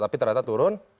tapi ternyata turun